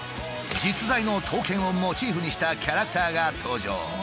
実在の刀剣をモチーフにしたキャラクターが登場。